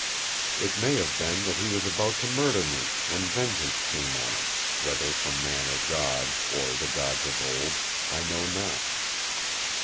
It may have been that he was about to murder me when vengeance came on him, whether from man or God, or the Gods of Old, I know not.